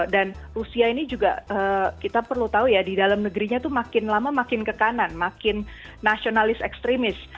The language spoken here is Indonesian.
dan rusia ini juga kita perlu tahu ya di dalam negerinya itu makin lama makin ke kanan makin nasionalis ekstremis